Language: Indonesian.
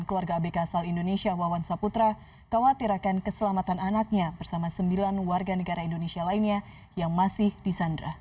keluarga abk asal indonesia wawan saputra khawatir akan keselamatan anaknya bersama sembilan warga negara indonesia lainnya yang masih di sandra